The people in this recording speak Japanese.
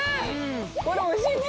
これおいしいね！